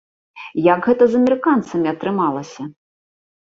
Як гэта з амерыканцамі атрымалася?